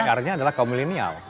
pr nya adalah kaum milenial